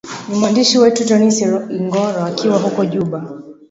ni mwandishi wetu tonnis ingoro akiwa huko juba